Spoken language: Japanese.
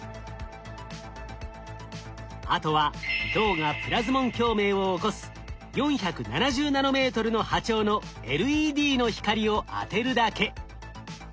あとは銅がプラズモン共鳴を起こす４７０ナノメートルの波長のＬＥＤの光を当てるだけ。